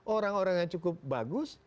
orang orang yang cukup bagus